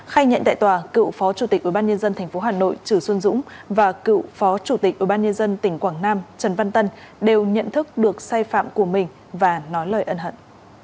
khai nhận tại tòa cựu phó chủ tịch ủy ban nhân dân tp hà nội trừ xuân dũng và cựu phó chủ tịch ủy ban nhân dân tỉnh quảng nam trần văn tân đều nhận thức được sai phạm của mình và nói lời ân hận